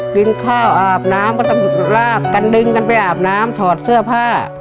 กินข้าวอาบน้ำก็ต้องลากกันดึงกันไปอาบน้ำถอดเสื้อผ้า